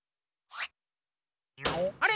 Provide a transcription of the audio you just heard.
あれ？